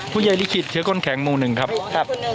ผู้ใหญ่ลิขิตเจอก้นเแคงมุหนึ่งครับ